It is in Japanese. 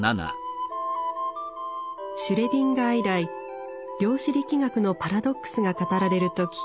シュレディンガー以来量子力学のパラドックスが語られる時。